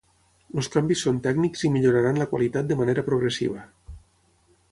Els canvis són tècnics i milloraran la qualitat de manera progressiva.